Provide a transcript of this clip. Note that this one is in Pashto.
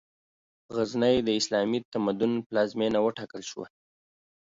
غزنی، د اسلامي تمدن پلازمېنه وټاکل شوه.